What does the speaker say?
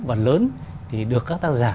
và lớn thì được các tác giả